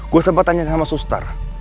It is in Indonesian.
gue sempet tanya sama sustar